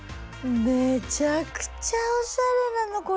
めちゃくちゃおしゃれなのこれ。